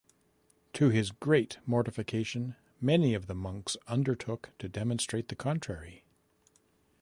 To his great mortification, many of the monks undertook to demonstrate the contrary.